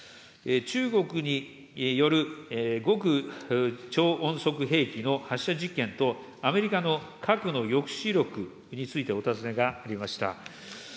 中国による極超音速兵器の発射実験とアメリカの核の抑止力について、お尋ねがありました。